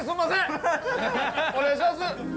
お願いします。